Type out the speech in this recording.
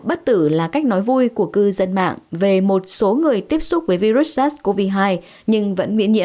bất tử là cách nói vui của cư dân mạng về một số người tiếp xúc với virus sars cov hai